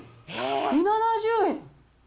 １７０円！